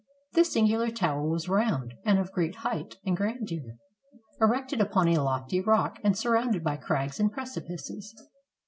This singular tower was round and of great height and grandeur, erected upon a lofty rock and surrounded by crags and precipices.